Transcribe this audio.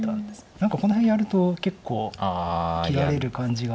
何かこの辺やると結構切られる感じが。